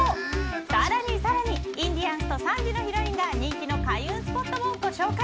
さらにさらにインディアンスと３時のヒロインが人気の開運スポットをご紹介。